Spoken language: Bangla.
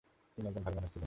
তিনি একজন ভালো মানুষ ছিলেন।